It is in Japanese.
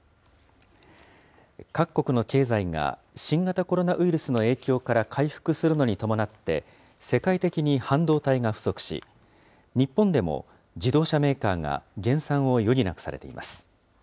各国の経済が新型コロナウイルスの影響から回復するのに伴って、世界的に半導体が不足し、日本でも自動車メーカーが減産を余儀なくされています。